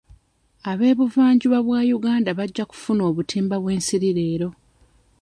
Ab'ebuvanjuba bwa Uganda bajja kufuna obutimba bw'ensiri leero.